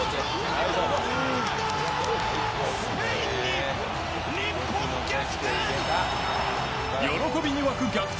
スペインに日本逆転！